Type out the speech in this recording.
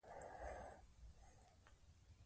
هغه وویل چې د خلکو ګډون بېساری و.